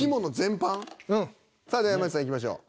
さあじゃ山内さんいきましょう。